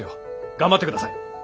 頑張ってください！